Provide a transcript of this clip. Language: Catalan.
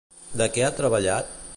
De què ha treballat?